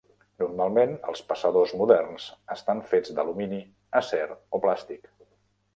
Normalment, els passadors moderns estan fets d'alumini, acer o plàstic.